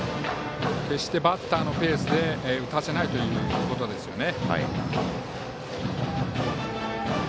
決して、バッターのペースで打たせないということですよね。